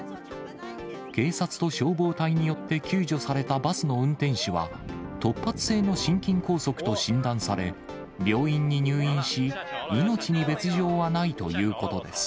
警察と消防隊によって救助されたバスの運転手は、突発性の心筋梗塞と診断され、病院に入院し、命に別状はないということです。